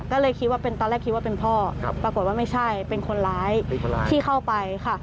ก็เลยคิดว่าเป็นตอนแรกคิดว่าเป็นพ่อปรากฏว่าไม่ใช่เป็นคนร้ายที่เข้าไปค่ะ